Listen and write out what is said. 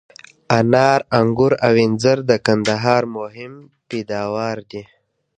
انار، آنګور او انځر د کندهار مهم پیداوار دي.